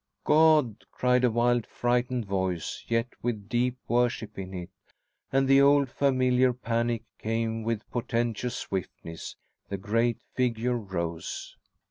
"God!" cried a wild, frightened voice yet with deep worship in it and the old familiar panic came with portentous swiftness. The great Figure rose.